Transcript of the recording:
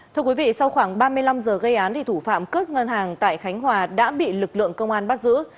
thưa quý vị sau khoảng ba mươi năm giờ gây án thì thủ phạm cướp ngân hàng tại khánh hòa đã bị lực lượng công an bắt giữ